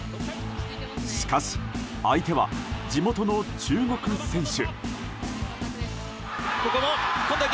しかし相手は地元の中国選手。